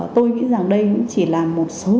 tôi nghĩ rằng đây cũng chỉ là một số